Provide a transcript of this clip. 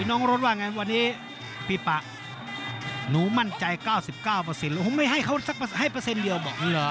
พี่น้องโรสว่าไงวันนี้พี่ปะหนูมั่นใจ๙๙หรือผมไม่ให้เขาสักเปอร์เซ็นต์เดียวบอก